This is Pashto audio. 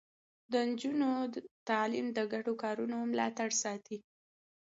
د نجونو تعليم د ګډو کارونو ملاتړ ساتي.